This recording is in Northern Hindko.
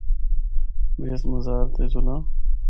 میں اس مزارا تے جُلّاں۔